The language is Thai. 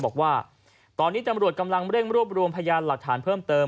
บอกว่าตอนนี้ตำรวจกำลังเร่งรวบรวมพยานหลักฐานเพิ่มเติม